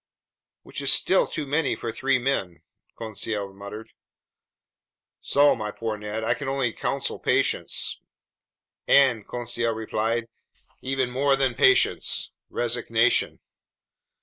"Which is still too many for three men!" Conseil muttered. "So, my poor Ned, I can only counsel patience." "And," Conseil replied, "even more than patience, resignation."